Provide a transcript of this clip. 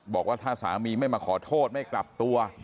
บอกว่าถ้าสามีไม่มาขอโทษไม่กลับตัว